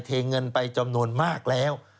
เทเงินไปจำนวนมากแล้ว